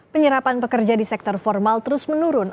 penyerapan pekerja di sektor formal terus menurun